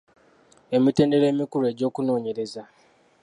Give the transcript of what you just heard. emitendera emikulu egy’okunoonyereza: